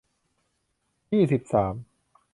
ยี่สิบสาม